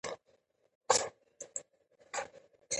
پرنګیان د غازيانو مقابلې ته کمزوري سول.